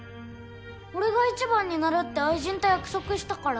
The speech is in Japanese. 俺が１番になるって愛人と約束したから。